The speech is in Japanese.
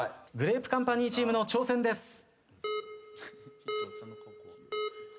グレープカンパニーチームの挑戦です。